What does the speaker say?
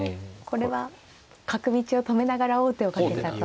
これは角道を止めながら王手をかけたと。